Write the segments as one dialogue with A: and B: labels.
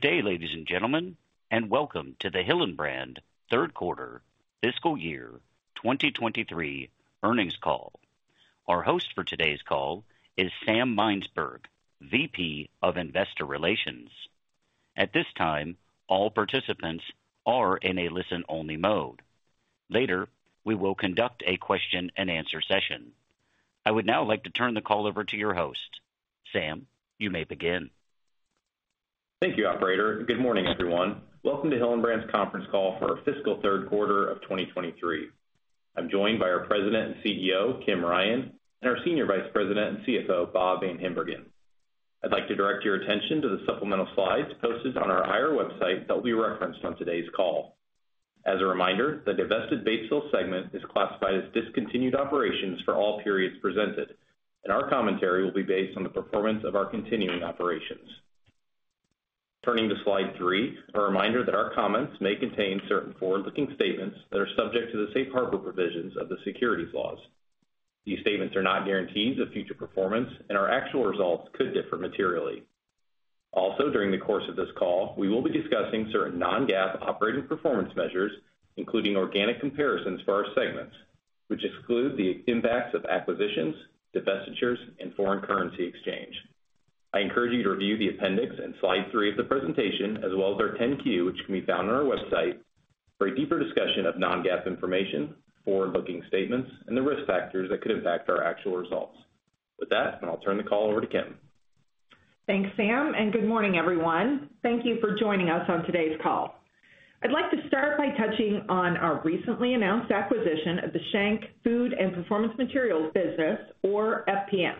A: Good day, ladies and gentlemen, and welcome to the Hillenbrand third quarter fiscal year 2023 earnings call. Our host for today's call is Sam Meinsberg, VP of Investor Relations. At this time, all participants are in a listen-only mode. Later, we will conduct a question-and-answer session. I would now like to turn the call over to your host. Sam, you may begin.
B: Thank you, operator. Good morning, everyone. Welcome to Hillenbrand's conference call for our fiscal third quarter of 2023. I'm joined by our President and CEO, Kim Ryan, and our Senior Vice President and CFO, Bob VanHimbergen. I'd like to direct your attention to the supplemental slides posted on our IR website that will be referenced on today's call. As a reminder, the divested Batesville segment is classified as discontinued operations for all periods presented, and our commentary will be based on the performance of our continuing operations. Turning to slide three, a reminder that our comments may contain certain forward-looking statements that are subject to the safe harbor provisions of the securities laws. These statements are not guarantees of future performance, and our actual results could differ materially. Also, during the course of this call, we will be discussing certain non-GAAP operating performance measures, including organic comparisons for our segments, which exclude the impacts of acquisitions, divestitures, and foreign currency exchange. I encourage you to review the appendix in slide three of the presentation, as well as our 10-Q, which can be found on our website, for a deeper discussion of non-GAAP information, forward-looking statements, and the risk factors that could impact our actual results. With that, I'll turn the call over to Kim.
C: Thanks, Sam, and good morning, everyone. Thank you for joining us on today's call. I'd like to start by touching on our recently announced acquisition of the Schenck Process Food and Performance Materials business, or FPM,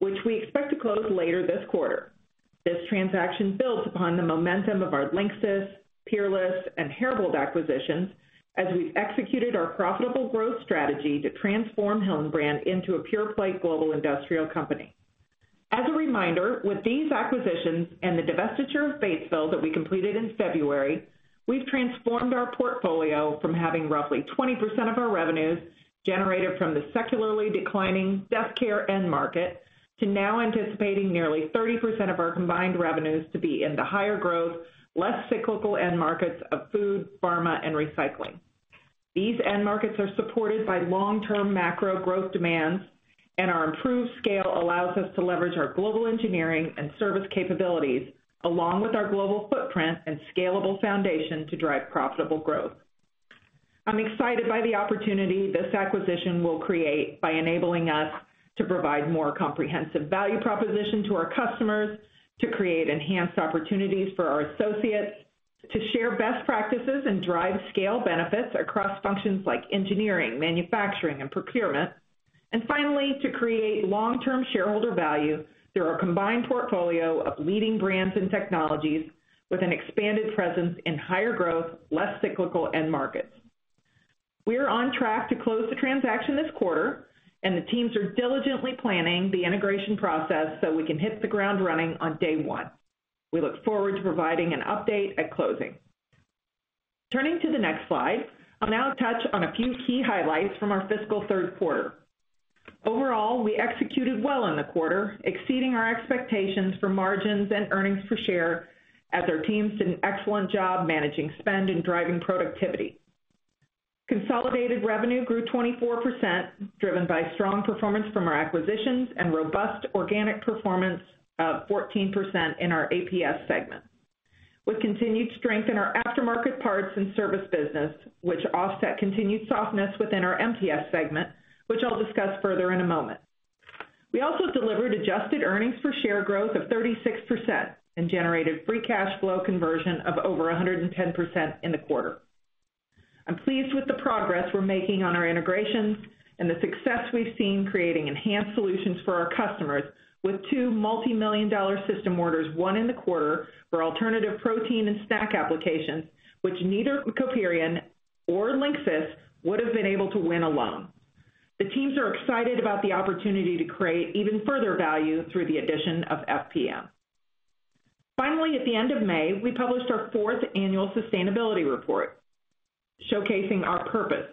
C: which we expect to close later this quarter. This transaction builds upon the momentum of our Linxis, Peerless, and Herbold acquisitions as we've executed our profitable growth strategy to transform Hillenbrand into a pure-play global industrial company. As a reminder, with these acquisitions and the divestiture of Batesville that we completed in February, we've transformed our portfolio from having roughly 20% of our revenues generated from the secularly declining death care end market, to now anticipating nearly 30% of our combined revenues to be in the higher growth, less cyclical end markets of food, pharma, and recycling. These end markets are supported by long-term macro growth demands, and our improved scale allows us to leverage our global engineering and service capabilities, along with our global footprint and scalable foundation to drive profitable growth. I'm excited by the opportunity this acquisition will create by enabling us to provide more comprehensive value proposition to our customers, to create enhanced opportunities for our associates, to share best practices and drive scale benefits across functions like engineering, manufacturing, and procurement. Finally, to create long-term shareholder value through our combined portfolio of leading brands and technologies with an expanded presence in higher growth, less cyclical end markets. We are on track to close the transaction this quarter, and the teams are diligently planning the integration process so we can hit the ground running on day one. We look forward to providing an update at closing. Turning to the next slide, I'll now touch on a few key highlights from our fiscal third quarter. Overall, we executed well in the quarter, exceeding our expectations for margins and earnings per share as our team did an excellent job managing spend and driving productivity. Consolidated revenue grew 24%, driven by strong performance from our acquisitions and robust organic performance of 14% in our APS segment. We've continued to strengthen our aftermarket parts and service business, which offset continued softness within our MTS segment, which I'll discuss further in a moment. We also delivered adjusted earnings per share growth of 36% and generated free cash flow conversion of over 110% in the quarter. I'm pleased with the progress we're making on our integrations and the success we've seen creating enhanced solutions for our customers with 2 multimillion-dollar system orders, one in the quarter for alternative protein and snack applications, which neither Peerless or Linxis would have been able to win alone. The teams are excited about the opportunity to create even further value through the addition of FPM. At the end of May, we published our fourth annual sustainability report, showcasing our purpose: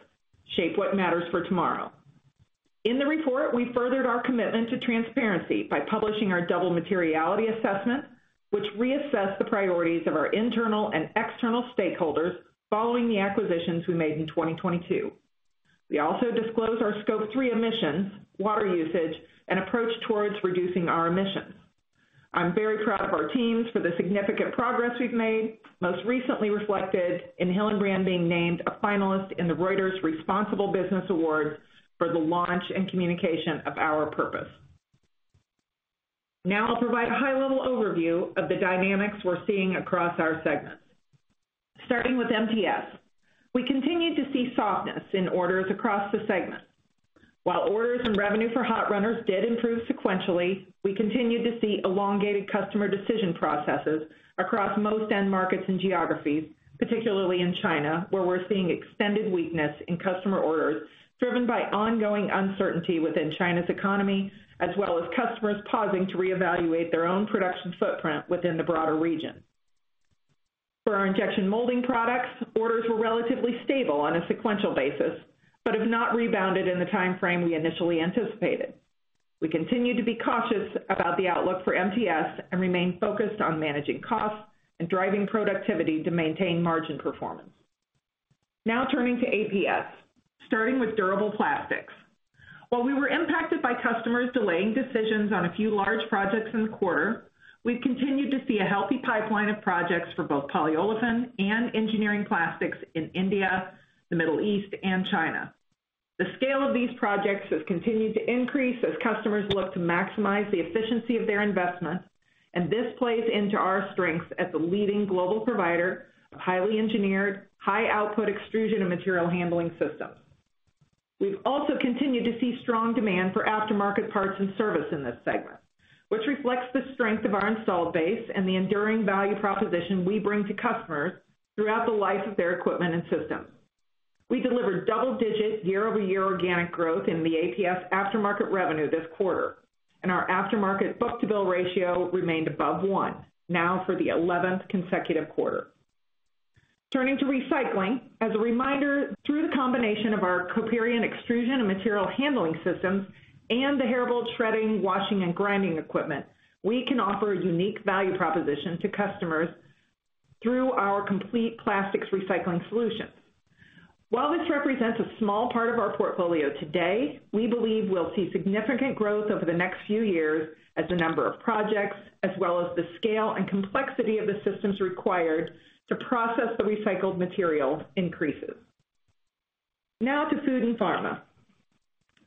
C: Shape what matters for tomorrow. In the report, we furthered our commitment to transparency by publishing our double materiality assessment, which reassessed the priorities of our internal and external stakeholders following the acquisitions we made in 2022. We also disclosed our Scope three emissions, water usage, and approach towards reducing our emissions. I'm very proud of our teams for the significant progress we've made, most recently reflected in Hillenbrand being named a finalist in the Reuters Responsible Business Awards for the launch and communication of our purpose. I'll provide a high-level overview of the dynamics we're seeing across our segments. Starting with MTS, we continued to see softness in orders across the segment. While orders and revenue for hot runners did improve sequentially, we continued to see elongated customer decision processes across most end markets and geographies, particularly in China, where we're seeing extended weakness in customer orders, driven by ongoing uncertainty within China's economy, as well as customers pausing to reevaluate their own production footprint within the broader region. For our injection molding products, orders were relatively stable on a sequential basis, have not rebounded in the time frame we initially anticipated. We continue to be cautious about the outlook for MTS and remain focused on managing costs and driving productivity to maintain margin performance. Turning to APS, starting with durable plastics. While we were impacted by customers delaying decisions on a few large projects in the quarter, we've continued to see a healthy pipeline of projects for both polyolefin and engineering plastics in India, the Middle East, and China. The scale of these projects has continued to increase as customers look to maximize the efficiency of their investments, and this plays into our strengths as the leading global provider of highly engineered, high output extrusion and material handling systems. We've also continued to see strong demand for aftermarket parts and service in this segment, which reflects the strength of our installed base and the enduring value proposition we bring to customers throughout the life of their equipment and systems. We delivered double-digit year-over-year organic growth in the APS aftermarket revenue this quarter. Our aftermarket book-to-bill ratio remained above one, now for the 11th consecutive quarter. Turning to recycling, as a reminder, through the combination of our Coperion extrusion and material handling systems and the Herbold shredding, washing and grinding equipment, we can offer a unique value proposition to customers through our complete plastics recycling solutions. While this represents a small part of our portfolio today, we believe we'll see significant growth over the next few years as the number of projects, as well as the scale and complexity of the systems required to process the recycled material increases. Now to food and pharma.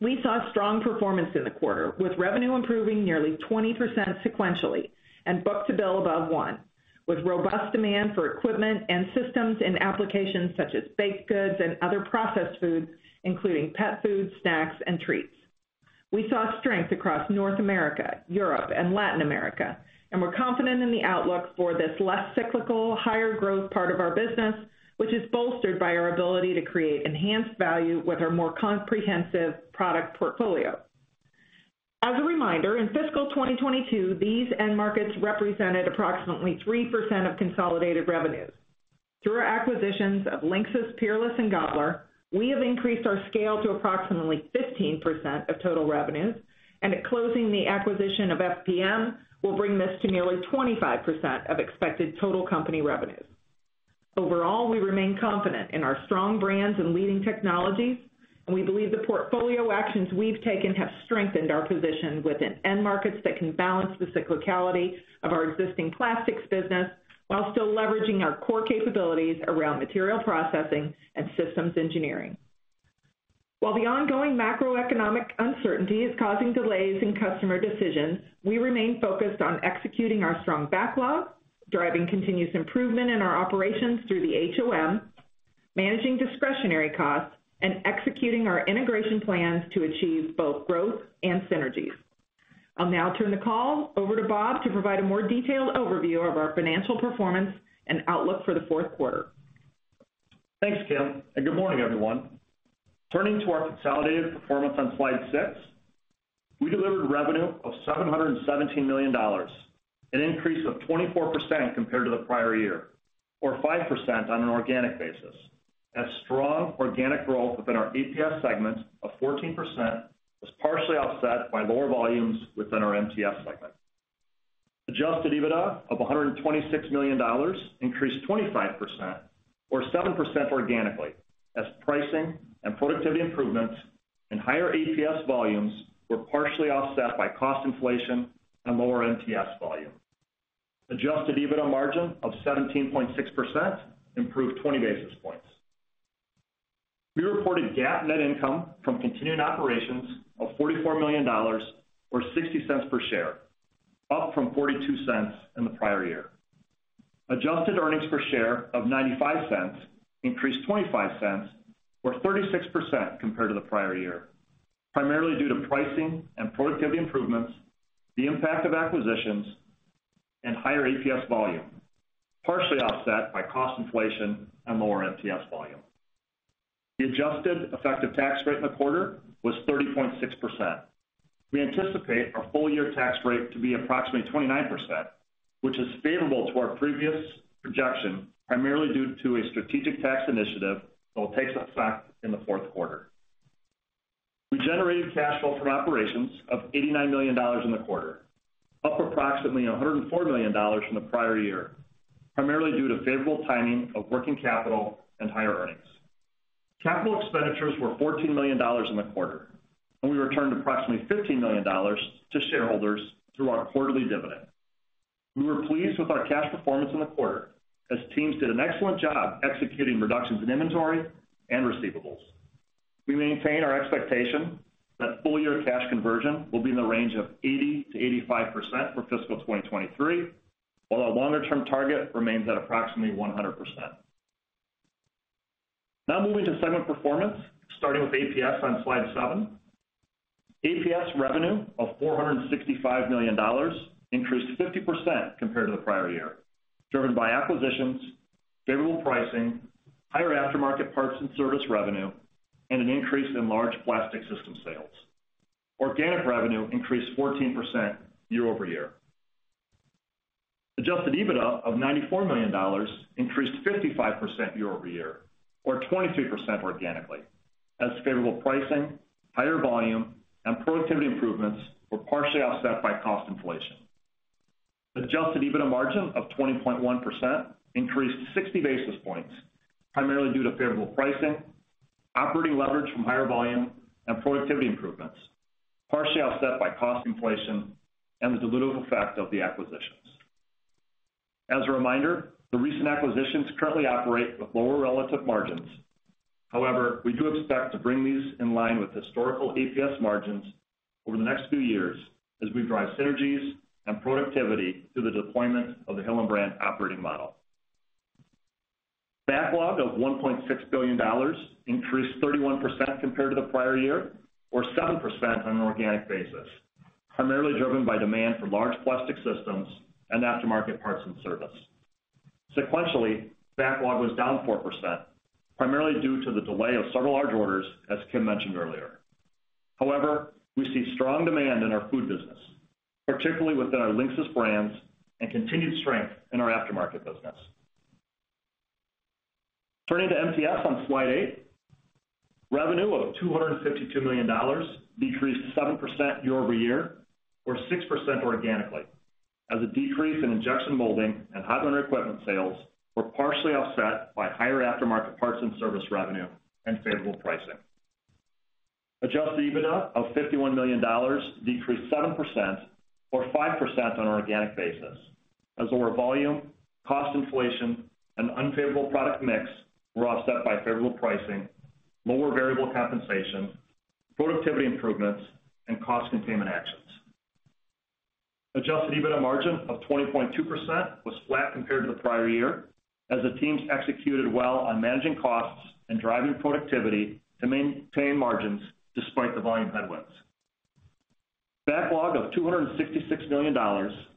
C: We saw strong performance in the quarter, with revenue improving nearly 20% sequentially and book-to-bill above, one, with robust demand for equipment and systems in applications such as baked goods and other processed foods, including pet food, snacks, and treats. We saw strength across North America, Europe, and Latin America, and we're confident in the outlook for this less cyclical, higher growth part of our business, which is bolstered by our ability to create enhanced value with our more comprehensive product portfolio. As a reminder, in fiscal 2022, these end markets represented approximately 3% of consolidated revenues. Through our acquisitions of Linxis, Peerless and Herbold, we have increased our scale to approximately 15% of total revenues, and at closing, the acquisition of FPM will bring this to nearly 25% of expected total company revenues. Overall, we remain confident in our strong brands and leading technologies, and we believe the portfolio actions we've taken have strengthened our position within end markets that can balance the cyclicality of our existing plastics business, while still leveraging our core capabilities around material processing and systems engineering. While the ongoing macroeconomic uncertainty is causing delays in customer decisions, we remain focused on executing our strong backlog, driving continuous improvement in our operations through the HOM, managing discretionary costs, and executing our integration plans to achieve both growth and synergies. I'll now turn the call over to Bob to provide a more detailed overview of our financial performance and outlook for the fourth quarter.
D: Thanks, Kim. Good morning, everyone. Turning to our consolidated performance on Slide 6, we delivered revenue of $717 million, an increase of 24% compared to the prior year, or 5% on an organic basis. Strong organic growth within our APS segment of 14% was partially offset by lower volumes within our MTS segment. Adjusted EBITDA of $126 million increased 25% or 7% organically, as pricing and productivity improvements and higher APS volumes were partially offset by cost inflation and lower MTS volume. Adjusted EBITDA margin of 17.6% improved 20 basis points. We reported GAAP net income from continued operations of $44 million or $0.60 per share, up from $0.42 in the prior year. Adjusted earnings per share of $0.95 increased $0.25 or 36% compared to the prior year, primarily due to pricing and productivity improvements, the impact of acquisitions and higher APS volume, partially offset by cost inflation and lower MTS volume. The adjusted effective tax rate in the quarter was 30.6%. We anticipate our full year tax rate to be approximately 29%, which is favorable to our previous projection, primarily due to a strategic tax initiative that will take effect in the fourth quarter. We generated cash flow from operations of $89 million in the quarter, up approximately $104 million from the prior year, primarily due to favorable timing of working capital and higher earnings. Capital expenditures were $14 million in the quarter, and we returned approximately $15 million to shareholders through our quarterly dividend. We were pleased with our cash performance in the quarter as teams did an excellent job executing reductions in inventory and receivables. We maintain our expectation that full year cash conversion will be in the range of 80%-85% for fiscal 2023, while our longer-term target remains at approximately 100%. Now moving to segment performance, starting with APS on slide 7. APS revenue of $465 million increased 50% compared to the prior year, driven by acquisitions, favorable pricing, higher aftermarket parts and service revenue, and an increase in large plastic system sales. Organic revenue increased 14% year-over-year. Adjusted EBITDA of $94 million increased 55% year-over-year, or 23% organically, as favorable pricing, higher volume, and productivity improvements were partially offset by cost inflation. Adjusted EBITDA margin of 20.1% increased 60 basis points, primarily due to favorable pricing, operating leverage from higher volume, and productivity improvements, partially offset by cost inflation and the dilutive effect of the acquisitions. As a reminder, the recent acquisitions currently operate with lower relative margins. However, we do expect to bring these in line with historical APS margins over the next few years as we drive synergies and productivity through the deployment of the Hillenbrand operating model. Backlog of $1.6 billion increased 31% compared to the prior year, or 7% on an organic basis, primarily driven by demand for large plastic systems and aftermarket parts and service. Sequentially, backlog was down 4%, primarily due to the delay of several large orders, as Kim mentioned earlier. However, we see strong demand in our food business, particularly within our Linxis brands, and continued strength in our aftermarket business. Turning to MTS on Slide 8. Revenue of $252 million decreased 7% year-over-year, or 6% organically, as a decrease in injection molding and highlander equipment sales were partially offset by higher aftermarket parts and service revenue and favorable pricing. Adjusted EBITDA of $51 million decreased 7% or 5% on an organic basis, as lower volume, cost inflation, and unfavorable product mix were offset by favorable pricing, lower variable compensation, productivity improvements, and cost containment actions. Adjusted EBITDA margin of 20.2% was flat compared to the prior year, as the teams executed well on managing costs and driving productivity to maintain margins despite the volume headwinds. Backlog of $266 million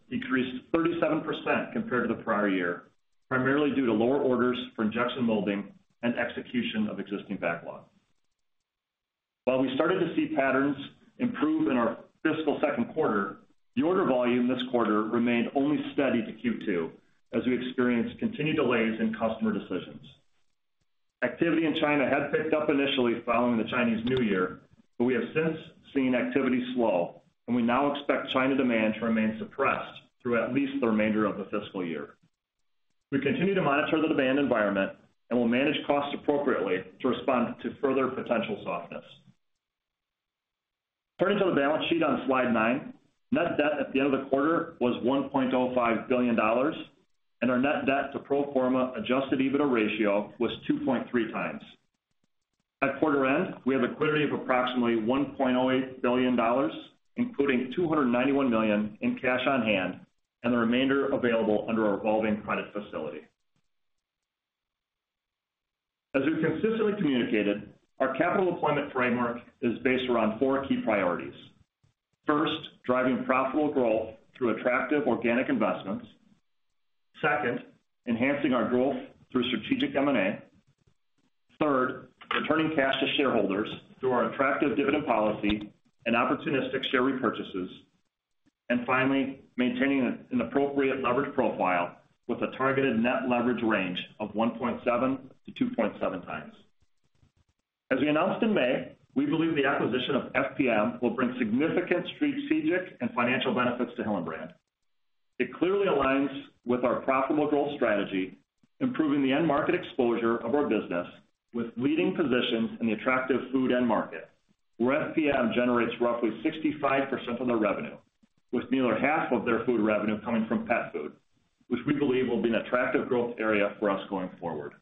D: decreased 37% compared to the prior year, primarily due to lower orders for injection molding and execution of existing backlog. While we started to see patterns improve in our fiscal second quarter, the order volume this quarter remained only steady to Q2, as we experienced continued delays in customer decisions. Activity in China had picked up initially following the Chinese New Year, but we have since seen activity slow, and we now expect China demand to remain suppressed through at least the remainder of the fiscal year. We continue to monitor the demand environment and will manage costs appropriately to respond to further potential softness. Turning to the balance sheet on Slide 9. Net debt at the end of the quarter was $1.05 billion, and our net debt to pro forma adjusted EBITDA ratio was 2.3x. At quarter end, we have a liquidity of approximately $1.08 billion, including $291 million in cash on hand and the remainder available under our revolving credit facility. As we've consistently communicated, our capital deployment framework is based around four key priorities. First, driving profitable growth through attractive organic investments. Second, enhancing our growth through strategic M&A. Third, returning cash to shareholders through our attractive dividend policy and opportunistic share repurchases. Finally, maintaining an appropriate leverage profile with a targeted net leverage range of 1.7x to 2.7x. As we announced in May, we believe the acquisition of FPM will bring significant strategic and financial benefits to Hillenbrand. It clearly aligns with our profitable growth strategy, improving the end market exposure of our business with leading positions in the attractive food end market, where FPM generates roughly 65% of their revenue, with nearly half of their food revenue coming from pet food, which we believe will be an attractive growth area for us going forward.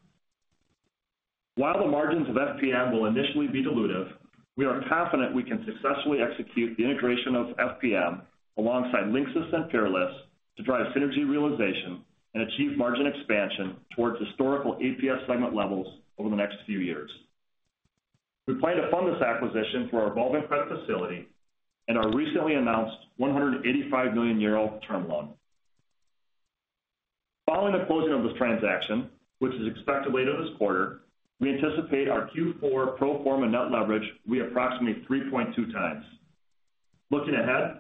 D: While the margins of FPM will initially be dilutive, we are confident we can successfully execute the integration of FPM alongside Linxis and Peerless to drive synergy realization and achieve margin expansion towards historical APS segment levels over the next few years. We plan to fund this acquisition through our revolving credit facility and our recently announced 185 million euro term loan. Following the closing of this transaction, which is expected later this quarter, we anticipate our Q4 pro forma net leverage will be approximately 3.2x. Looking ahead,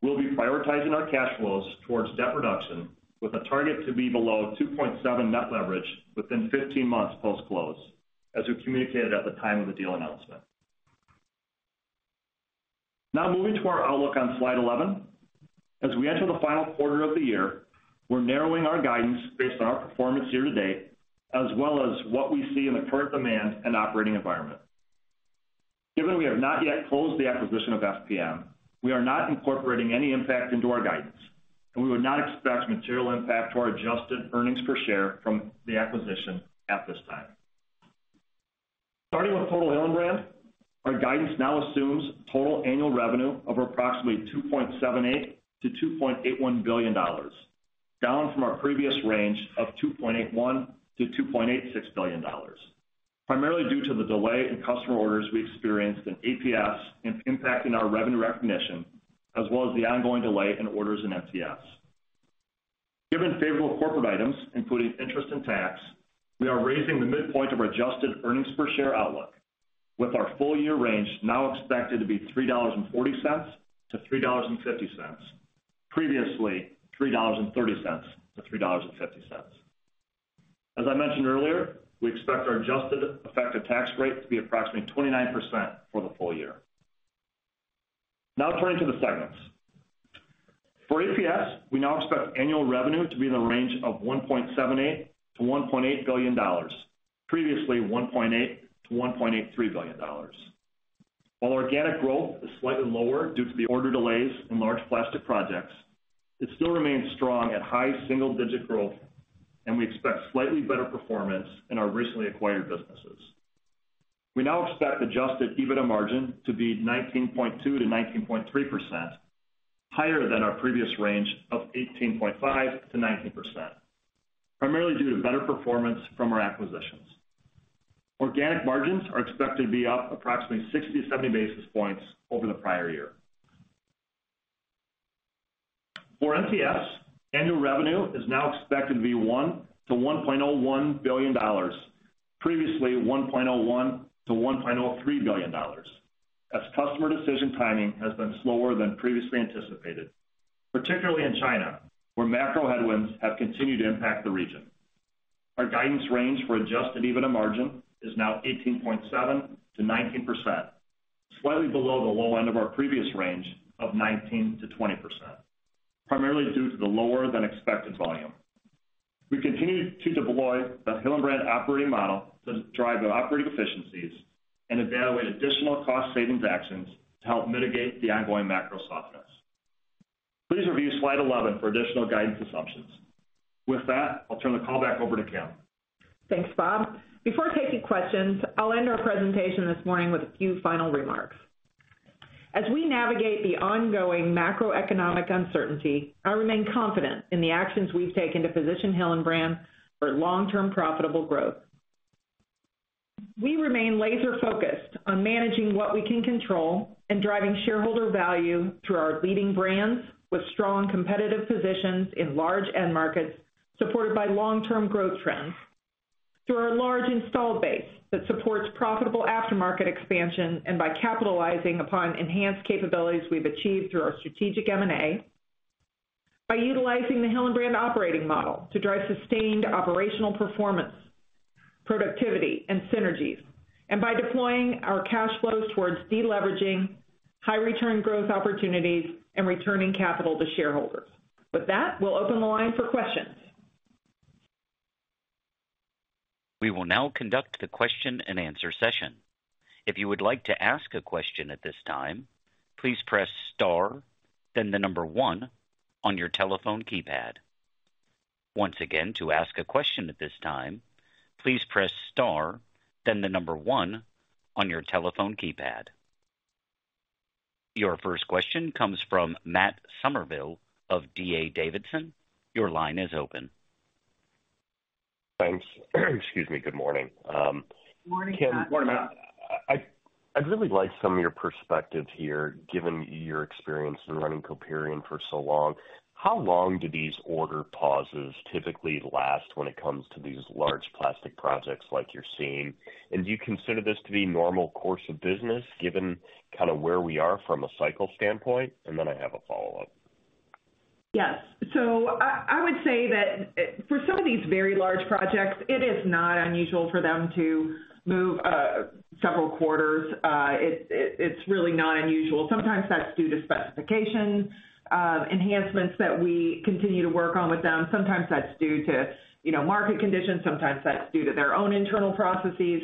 D: we'll be prioritizing our cash flows towards debt reduction with a target to be below 2.7 net leverage within 15 months post-close, as we communicated at the time of the deal announcement. Moving to our outlook on Slide 11. As we enter the final quarter of the year, we're narrowing our guidance based on our performance year-to-date, as well as what we see in the current demand and operating environment. Given we have not yet closed the acquisition of FPM, we are not incorporating any impact into our guidance, and we would not expect material impact to our adjusted earnings per share from the acquisition at this time. Starting with total Hillenbrand, our guidance now assumes total annual revenue of approximately $2.78 billion-$2.81 billion, down from our previous range of $2.81 billion-$2.86 billion, primarily due to the delay in customer orders we experienced in APS and impacting our revenue recognition, as well as the ongoing delay in orders in MTS. Given favorable corporate items, including interest and tax, we are raising the midpoint of our adjusted earnings per share outlook, with our full year range now expected to be $3.40-$3.50, previously $3.30-$3.50. As I mentioned earlier, we expect our adjusted effective tax rate to be approximately 29% for the full year. Turning to the segments. For APS, we now expect annual revenue to be in the range of $1.78 billion-$1.8 billion, previously $1.8 billion-$1.83 billion. While organic growth is slightly lower due to the order delays in large plastic projects, it still remains strong at high single-digit growth, and we expect slightly better performance in our recently acquired businesses. We now expect adjusted EBITDA margin to be 19.2%-19.3%, higher than our previous range of 18.5%-19%, primarily due to better performance from our acquisitions. Organic margins are expected to be up approximately 60 to 70 basis points over the prior year. For MPS, annual revenue is now expected to be $1 billion-$1.01 billion, previously $1.01 billion-$1.03 billion, as customer decision timing has been slower than previously anticipated, particularly in China, where macro headwinds have continued to impact the region. Our guidance range for adjusted EBITDA margin is now 18.7%-19%, slightly below the low end of our previous range of 19%-20%, primarily due to the lower-than-expected volume. We continue to deploy the Hillenbrand operating model to drive the operating efficiencies and evaluate additional cost savings actions to help mitigate the ongoing macro softness. Please review slide 11 for additional guidance assumptions. With that, I'll turn the call back over to Kim.
C: Thanks, Bob. Before taking questions, I'll end our presentation this morning with a few final remarks. As we navigate the ongoing macroeconomic uncertainty, I remain confident in the actions we've taken to position Hillenbrand for long-term profitable growth. We remain laser-focused on managing what we can control and driving shareholder value through our leading brands with strong competitive positions in large end markets, supported by long-term growth trends, through our large installed base that supports profitable aftermarket expansion, and by capitalizing upon enhanced capabilities we've achieved through our strategic M&A, by utilizing the Hillenbrand operating model to drive sustained operational performance, productivity, and synergies, and by deploying our cash flows towards deleveraging, high return growth opportunities, and returning capital to shareholders. With that, we'll open the line for questions.
A: We will now conduct the question-and-answer session. If you would like to ask a question at this time, please press star, then the number one on your telephone keypad. Once again, to ask a question at this time, please press star, then the number one on your telephone keypad. Your first question comes from Matt Summerville of D.A. Davidson. Your line is open.
E: Thanks. Excuse me. Good morning,
C: Morning, Matt.
D: Morning, Matt.
E: I'd really like some of your perspective here, given your experience in running Coperion for so long. How long do these order pauses typically last when it comes to these large plastic projects like you're seeing? Do you consider this to be normal course of business, given kind of where we are from a cycle standpoint? I have a follow-up.
C: Yes. I would say that for some of these very large projects, it is not unusual for them to move several quarters. It's really not unusual. Sometimes that's due to specification enhancements that we continue to work on with them. Sometimes that's due to, you know, market conditions, sometimes that's due to their own internal processes.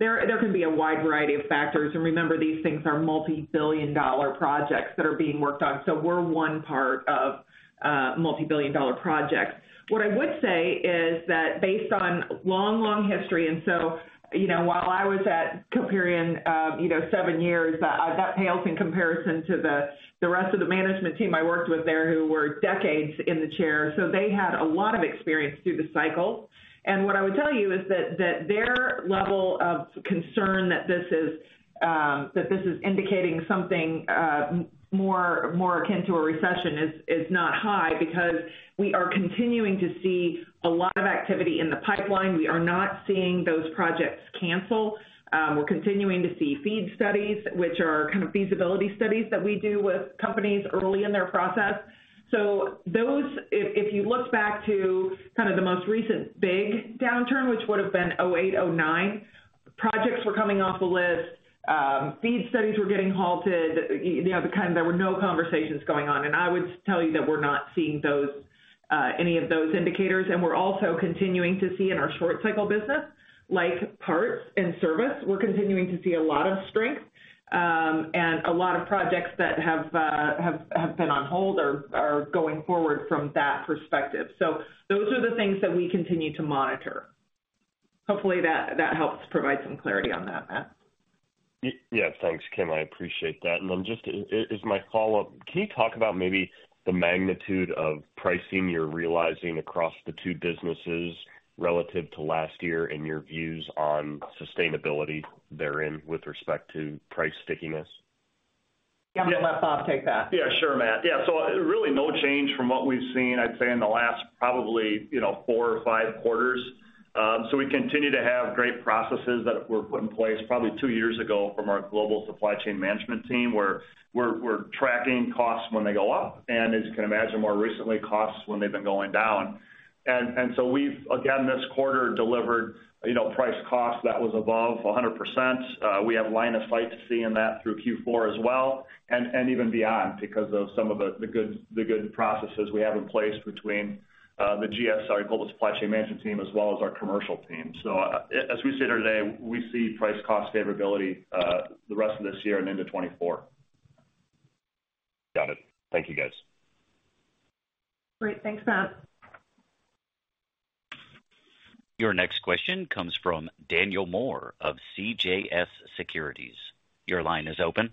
C: There, there can be a wide variety of factors. And remember, these things are multi-billion dollar projects that are being worked on. We're one part of a multi-billion dollar project. What I would say is that based on long, long history, and so, you know, while I was at Coperion, you know, seven years, that pales in comparison to the, the rest of the management team I worked with there who were decades in the chair. They had a lot of experience through the cycle. What I would tell you is that, that their level of concern that this is, that this is indicating something more, more akin to a recession is, is not high, because we are continuing to see a lot of activity in the pipeline. We are not seeing those projects cancel. We're continuing to see feed studies, which are kind of feasibility studies that we do with companies early in their process. Those, if you look back to kind of the most recent big downturn, which would have been 2008, 2009, projects were coming off the list, feed studies were getting halted, you know, kind of there were no conversations going on. I would tell you that we're not seeing those, any of those indicators. We're also continuing to see in our short cycle business, like parts and service, we're continuing to see a lot of strength, and a lot of projects that have, have, have been on hold are, are going forward from that perspective. Those are the things that we continue to monitor. Hopefully, that, that helps provide some clarity on that, Matt.
E: Yes, thanks, Kim. I appreciate that. Then just as, as my follow-up, can you talk about maybe the magnitude of pricing you're realizing across the two businesses relative to last year and your views on sustainability therein with respect to price stickiness?
C: I'm gonna let Bob take that.
D: Yeah, sure, Matt. Really no change from what we've seen, I'd say, in the last probably, you know, four or five quarters. We continue to have great processes that were put in place probably two years ago from our Global Supply Chain Management team, where we're tracking costs when they go up, and as you can imagine, more recently, costs when they've been going down. We've, again, this quarter, delivered, you know, price cost that was above 100%. We have line of sight to seeing that through Q4 as well, and even beyond, because of some of the good, the good processes we have in place between the GSI, Global Supply Chain Management team, as well as our commercial team. As we sit here today, we see price cost favorability, the rest of this year and into 2024.
E: Got it. Thank you, guys.
C: Great. Thanks, Matt.
A: Your next question comes from Daniel Moore of CJS Securities. Your line is open.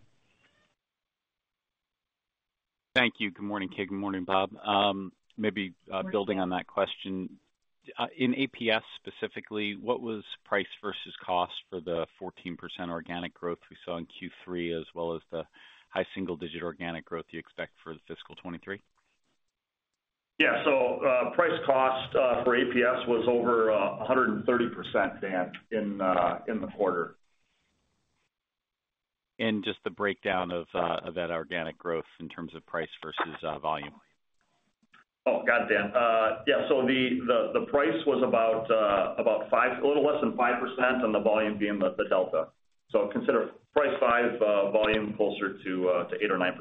F: Thank you. Good morning, Kim. Good morning, Bob. Maybe, building on that question, in APS specifically, what was price versus cost for the 14% organic growth we saw in Q3, as well as the high single-digit organic growth you expect for the fiscal 2023?
D: Yeah. Price cost for APS was over 130%, Dan, in the quarter.
F: Just the breakdown of of that organic growth in terms of price versus volume.
D: Got it, Dan. Yeah, the price was about a little less than 5%, and the volume being the delta. Consider price 5%, volume closer to 8% or 9%.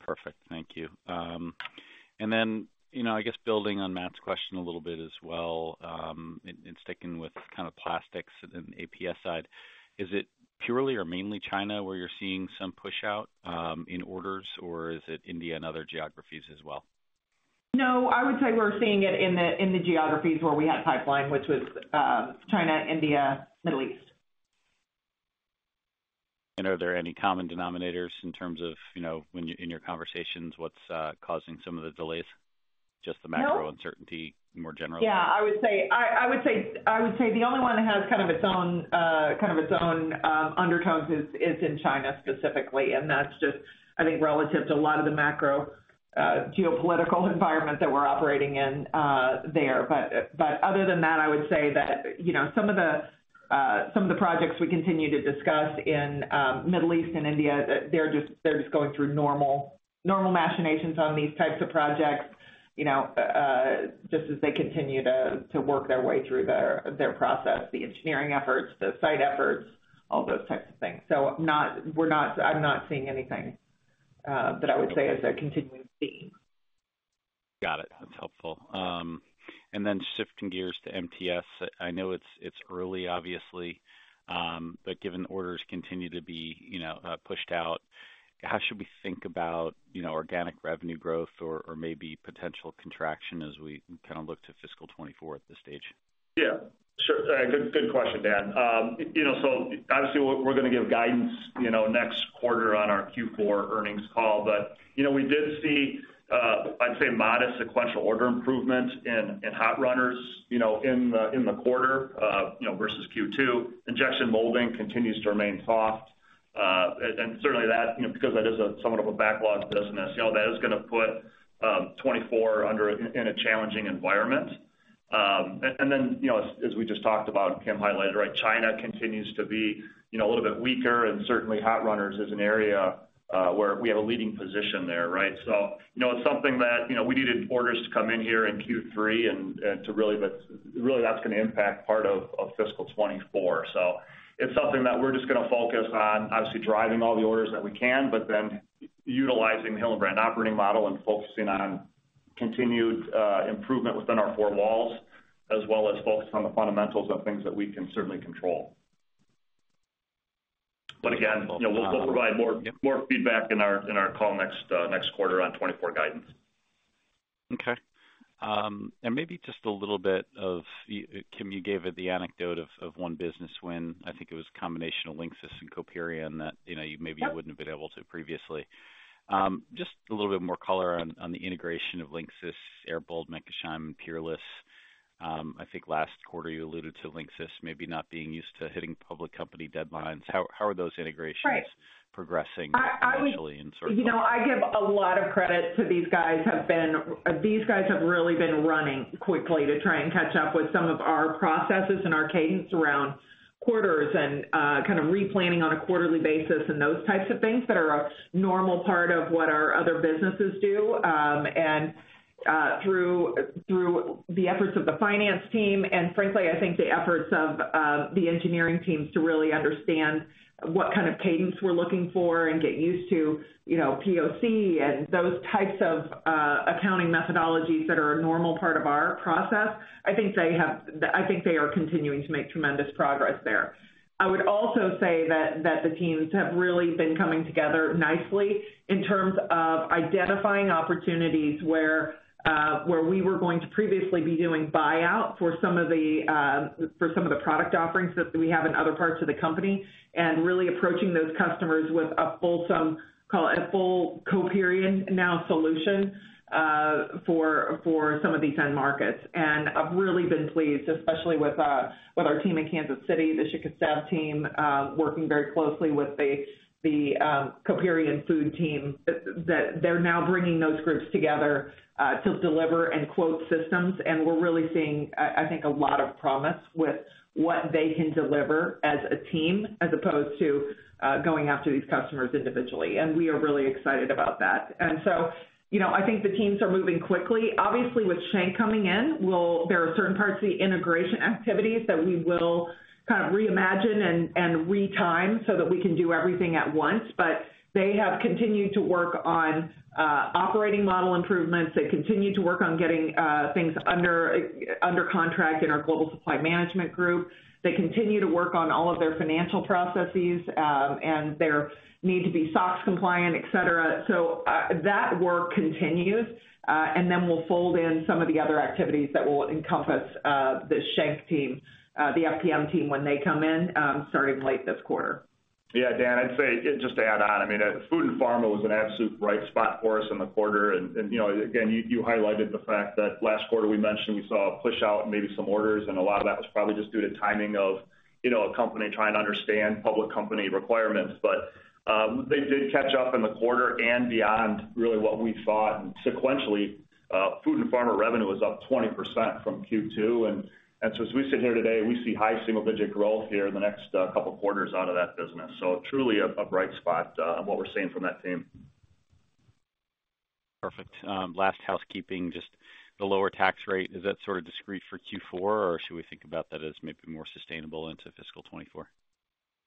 F: Perfect. Thank you. You know, I guess building on Matt's question a little bit as well, and sticking with kind of plastics and APS side, is it purely or mainly China, where you're seeing some push-out in orders, or is it India and other geographies as well?
C: No, I would say we're seeing it in the, in the geographies where we had pipeline, which was, China, India, Middle East.
F: are there any common denominators in terms of, you know, in your conversations, what's causing some of the delays?
C: No.
F: Just the macro uncertainty, more generally?
C: Yeah, I would say, I would say, I would say the only one that has kind of its own, kind of its own undertones is in China specifically, and that's just, I think, relative to a lot of the macro geopolitical environment that we're operating in there. Other than that, I would say that, you know, some of the, some of the projects we continue to discuss in Middle East and India, they're just, they're just going through normal, normal machinations on these types of projects, you know, just as they continue to work their way through their process, the engineering efforts, the site efforts, all those types of things. I'm not seeing anything that I would say is a continuing theme.
F: Got it. That's helpful. Then shifting gears to MTS. I know it's, it's early, obviously, but given the orders continue to be, you know, pushed out, how should we think about, you know, organic revenue growth or maybe potential contraction as we kind of look to fiscal 2024 at this stage?
D: Yeah, sure. good, good question, Dan. you know, obviously, we're, we're going to give guidance, you know, next quarter on our Q4 earnings call. you know, we did see, I'd say, modest sequential order improvement in hot runners, you know, in the quarter, you know, versus Q2. Injection molding continues to remain soft. certainly that, you know, because that is a somewhat of a backlogged business, you know, that is going to put 2024 under in a challenging environment. then, you know as we just talked about, Kim highlighted, right? China continues to be, you know, a little bit weaker, and certainly hot runners is an area, where we have a leading position there, right? You know, it's something that, you know, we needed orders to come in here in Q3 and, and but really, that's going to impact part of, of fiscal 2024. It's something that we're just going to focus on, obviously, driving all the orders that we can, but then utilizing the Hillenbrand operating model and focusing on continued improvement within our four walls, as well as focused on the fundamentals of things that we can certainly control. Again, you know, we'll provide more, more feedback in our, in our call next quarter on 2024 guidance.
F: Okay. Maybe just a little bit of, Kim, you gave it the anecdote of one business win. I think it was a combination of Linxis and Coperion that, you know, you maybe wouldn't have been able to previously. Just a little bit more color on the integration of Linxis, Herbold Meckesheim, and Peerless. I think last quarter you alluded to Linxis maybe not being used to hitting public company deadlines. How, how are those integrations progressing, actually, and sort of?
C: You know, I give a lot of credit to these guys, these guys have really been running quickly to try and catch up with some of our processes and our cadence around quarters and, kind of replanning on a quarterly basis and those types of things that are a normal part of what our other businesses do. Through the efforts of the finance team, and frankly, I think the efforts of the engineering teams to really understand what kind of cadence we're looking for and get used to, you know, POC and those types of accounting methodologies that are a normal part of our process, I think they are continuing to make tremendous progress there. I would also say that, that the teams have really been coming together nicely in terms of identifying opportunities where, where we were going to previously be doing buyout for some of the, for some of the product offerings that we have in other parts of the company, and really approaching those customers with a fulsome, call it a full Coperion now solution, for, for some of these end markets. I've really been pleased, especially with, with our team in Kansas City, the Chicago staff team, working very closely with the, the Coperion food team, that they're now bringing those groups together, to deliver and quote systems. We're really seeing, I think, a lot of promise with what they can deliver as a team, as opposed to, going after these customers individually. We are really excited about that. You know, I think the teams are moving quickly. Obviously, with Schenck coming in, we'll there are certain parts of the integration activities that we will kind of reimagine and retime so that we can do everything at once. They have continued to work on operating model improvements. They continue to work on getting things under contract in our global supply management group. They continue to work on all of their financial processes and their need to be SOX compliant, et cetera. That work continues, and then we'll fold in some of the other activities that will encompass the Schenck team, the FPM team when they come in, starting late this quarter.
D: Yeah, Dan, I'd say, just to add on, I mean, food and pharma was an absolute bright spot for us in the quarter. You know, again, you highlighted the fact that last quarter we mentioned we saw a push out, maybe some orders, and a lot of that was probably just due to timing of, you know, a company trying to understand public company requirements. They did catch up in the quarter and beyond really what we saw. Sequentially, food and pharma revenue is up 20% from Q2. So as we sit here today, we see high single-digit growth here in the next, couple of quarters out of that business. Truly a bright spot, on what we're seeing from that team.
F: Perfect. Last housekeeping, just the lower tax rate, is that sort of discrete for Q4, or should we think about that as maybe more sustainable into fiscal 2024?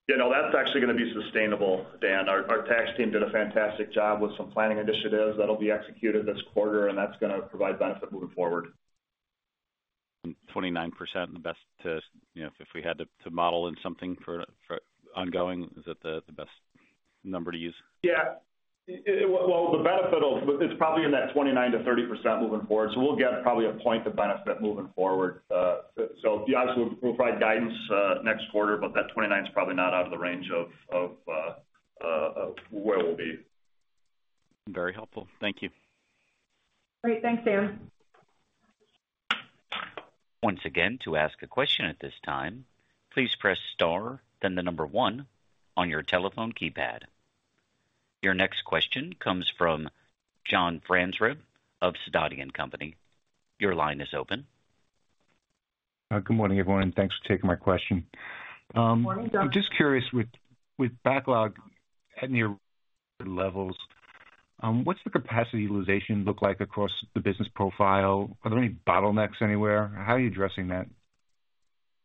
D: Yeah, no, that's actually going to be sustainable, Dan. Our tax team did a fantastic job with some planning initiatives that'll be executed this quarter, and that's gonna provide benefit moving forward.
F: 29%, the best to, you know, if we had to, to model in something for, for ongoing, is that the best number to use?
D: Yeah. well, the benefit of. It's probably in that 29%-30% moving forward, we'll get probably a point of benefit moving forward. obviously, we'll provide guidance, next quarter, but that 29% is probably not out of the range of where we'll be.
F: Very helpful. Thank you.
C: Great. Thanks, Dan.
A: Once again, to ask a question at this time, please press star, then 1 on your telephone keypad. Your next question comes from John Franzreb of Sidoti & Company. Your line is open.
G: Good morning, everyone, thanks for taking my question.
C: Good morning, John.
G: I'm just curious, with backlog at near levels, what's the capacity utilization look like across the business profile? Are there any bottlenecks anywhere? How are you addressing that?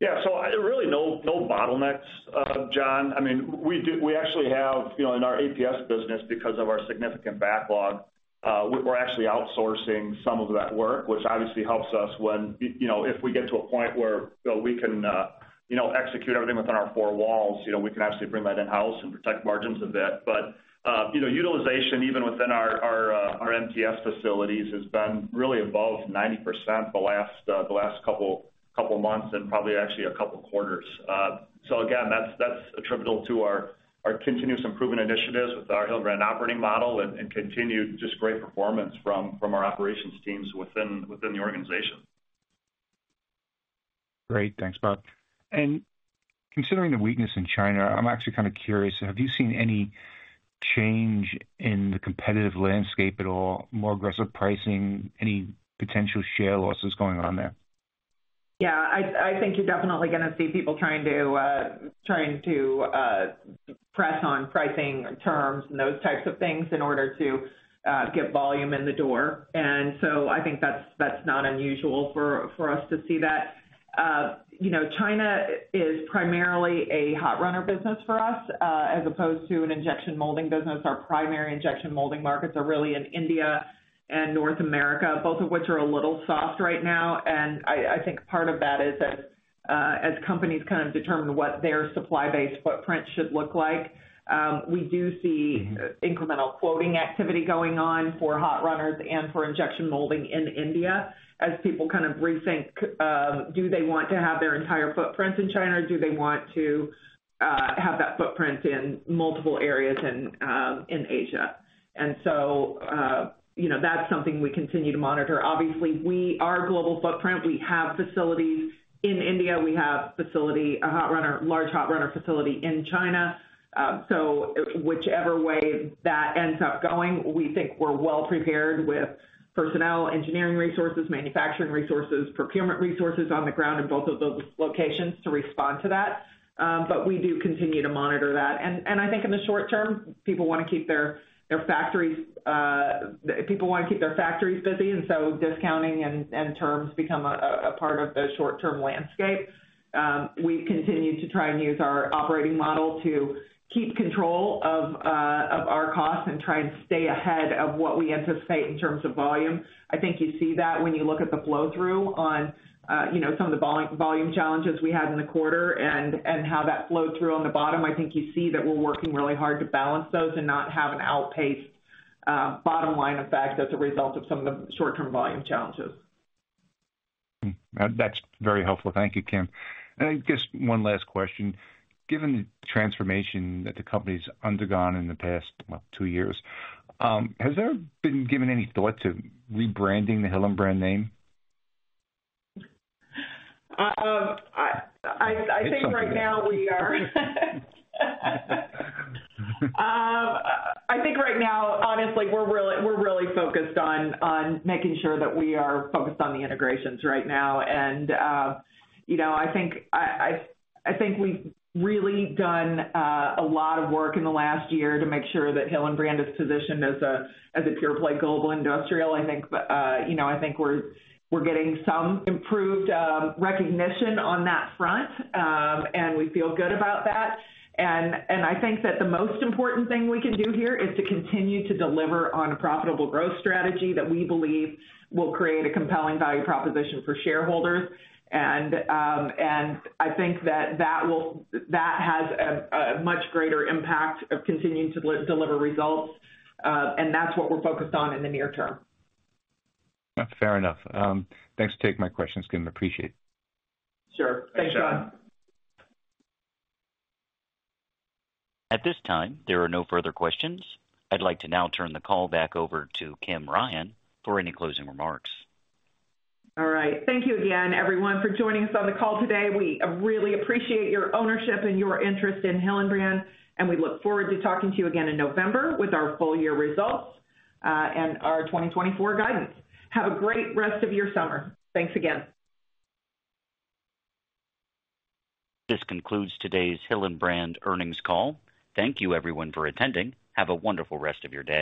D: Yeah, so really no, no bottlenecks, John. I mean, we do-- we actually have, you know, in our APS business, because of our significant backlog, we're actually outsourcing some of that work, which obviously helps us when, you know, if we get to a point where we can, you know, execute everything within our four walls, you know, we can actually bring that in-house and protect margins a bit. But, you know, utilization, even within our MTS facilities, has been really above 90% the last, the last couple, couple of months and probably actually a couple of quarters. Again, that's, that's attributable to our, our continuous improvement initiatives with our Hillenbrand operating model and, and continued just great performance from, from our operations teams within, within the organization.
G: Great. Thanks, Bob. Considering the weakness in China, I'm actually kind of curious, have you seen any change in the competitive landscape at all? More aggressive pricing, any potential share losses going on there?
C: Yeah, I think you're definitely gonna see people trying to, press on pricing terms and those types of things in order to get volume in the door. I think that's not unusual for us to see that. You know, China is primarily a hot runner business for us, as opposed to an injection molding business. Our primary injection molding markets are really in India and North America, both of which are a little soft right now. I think part of that is that, as companies kind of determine what their supply-based footprint should look like, we do see incremental quoting activity going on for hot runners and for injection molding in India as people kind of rethink, do they want to have their entire footprint in China, or do they want to have that footprint in multiple areas in Asia? You know, that's something we continue to monitor. Obviously, we are a global footprint. We have facilities in India. We have facility, a hot runner, large hot runner facility in China. Whichever way that ends up going, we think we're well prepared with personnel, engineering resources, manufacturing resources, procurement resources on the ground in both of those locations to respond to that. We do continue to monitor that. I think in the short term, people want to keep their factories busy, and so discounting and terms become a part of the short-term landscape. We continue to try and use our operating model to keep control of our costs and try and stay ahead of what we anticipate in terms of volume. I think you see that when you look at the flow-through on, you know, some of the volume challenges we had in the quarter and how that flowed through on the bottom. I think you see that we're working really hard to balance those and not have an outpaced bottom line effect as a result of some of the short-term volume challenges.
G: That's very helpful. Thank you, Kim. I guess one last question. Given the transformation that the company's undergone in the past, well, two years, has there been given any thought to rebranding the Hillenbrand name?
C: I think right now, honestly, we're really, we're really focused on, on making sure that we are focused on the integrations right now. You know, I think I, I, I think we've really done a lot of work in the last year to make sure that Hillenbrand is positioned as a pure-play global industrial. I think, you know, I think we're, we're getting some improved recognition on that front, and we feel good about that. I think that the most important thing we can do here is to continue to deliver on a profitable growth strategy that we believe will create a compelling value proposition for shareholders. I think that has a much greater impact of continuing to deliver results, and that's what we're focused on in the near term.
G: Fair enough. Thanks for taking my questions, Kim. Appreciate it.
C: Sure. Thanks, John.
A: At this time, there are no further questions. I'd like to now turn the call back over to Kim Ryan for any closing remarks.
C: All right. Thank you again, everyone, for joining us on the call today. We really appreciate your ownership and your interest in Hillenbrand, and we look forward to talking to you again in November with our full year results and our 2024 guidance. Have a great rest of your summer. Thanks again.
A: This concludes today's Hillenbrand earnings call. Thank you everyone for attending. Have a wonderful rest of your day.